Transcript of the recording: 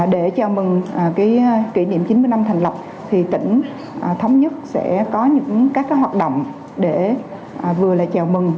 để chào mừng kỷ niệm chín mươi năm thành lập thì tỉnh thống nhất sẽ có những các hoạt động để vừa là chào mừng